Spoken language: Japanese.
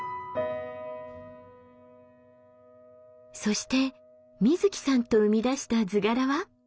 そしてみずきさんと生み出した図柄は。